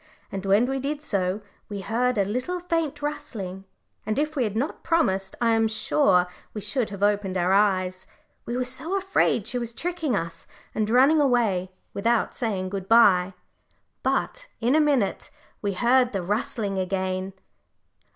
And when we did so we heard a little faint rustling, and if we had not promised I am sure we should have opened our eyes, we were so afraid she was tricking us, and running away without saying good bye. But in a minute we heard the rustling again.